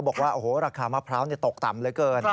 บอกว่าราคามะพร้าวตกต่ำเลยเกิน